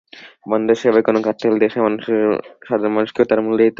বন্দরসেবায় কোনো ঘাটতি হলে দেশের সাধারণ মানুষকেও তার মূল্য দিতে হয়।